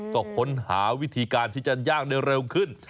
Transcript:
ก็ค้นหาวิธีการที่จะย่างได้เร็วขึ้น